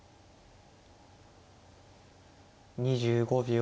２５秒。